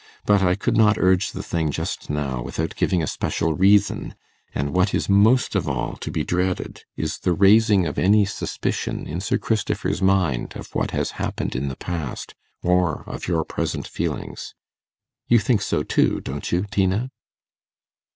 But I could not urge the thing just now without giving a special reason; and what is most of all to be dreaded is the raising of any suspicion in Sir Christopher's mind of what has happened in the past, or of your present feelings. You think so too, don't you, Tina?